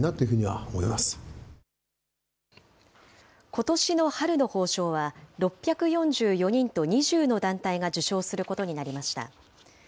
ことしの春の褒章は、６４４人と２０の団体が受章することになりました。